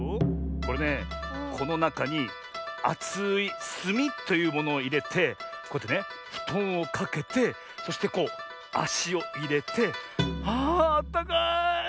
これねこのなかにあつい「すみ」というものをいれてこうやってねふとんをかけてそしてこうあしをいれてああったかい。